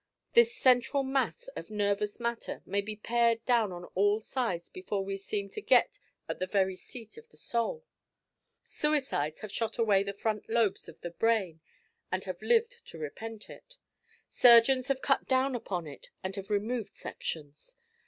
This central mass of nervous matter may be pared down on all sides before we seem to get at the very seat of the soul. Suicides have shot away the front lobes of the brain, and have lived to repent it. Surgeons have cut down upon it and have removed sections.